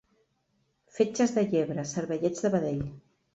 Fetges de llebre, cervellets de vedell.